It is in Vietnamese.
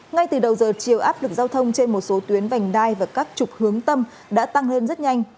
ngay từ đầu giờ chiều áp lực giao thông trên một số tuyến vành đai và các trục hướng tâm đã tăng lên rất nhanh